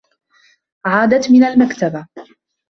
عادت من المكتبة.